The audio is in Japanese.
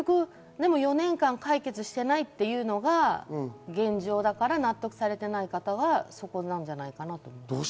でも４年間、解決していないというのが現状だから納得されていない方はそこなんじゃないかなと思います。